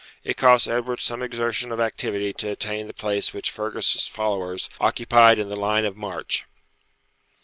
It cost Edward some exertion of activity to attain the place which Fergus's followers occupied in the line of march.